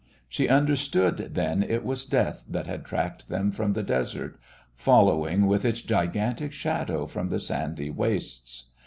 She understood then it was Death that had tracked them from the desert, following with its gigantic shadow from the sandy wastes.